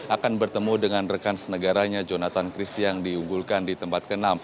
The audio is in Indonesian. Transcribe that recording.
akan bertemu dengan rekan senegaranya jonathan chris yang diunggulkan di tempat ke enam